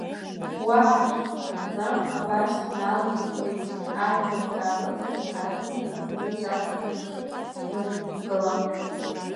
Уаҳа аҽак иҭахӡам, абас дналагеит уи, ажәлар даарылҵын, иҳаракны иҟаҵаз ацәажәарҭаҿы днықәгылан.